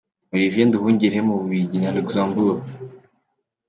Olivier Nduhungirehe mu Bubiligi na Luxembourg.